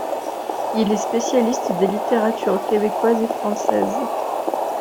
Il est spécialiste des littératures québécoise et française.